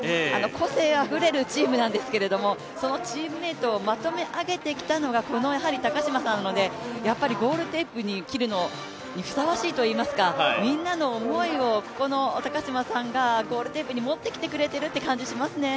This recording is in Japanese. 個性あふれるチームなんですけど、そのチームメートをまとめ上げてきた高島さん、ゴールテープ切るのにふさわしいといいますか、みんなの思いを高島さんがゴールテープに持ってきてくれてる感じがしますね。